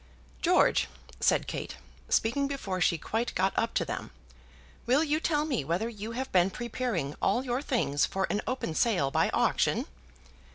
"George," said Kate, speaking before she quite got up to them, "will you tell me whether you have been preparing all your things for an open sale by auction?"